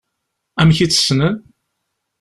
Amek i tt-ssnen?